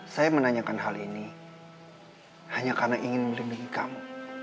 saya menanyakan hal ini hanya karena ingin melindungi kamu